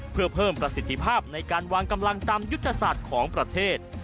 เพื่อเพิ่มประสิทธิภาพในการวางกำลังตามยุทธศาสตร์ของประเทศ